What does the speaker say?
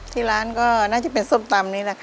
ที่ร้านก็น่าจะเป็นส้มตำนี้แหละค่ะ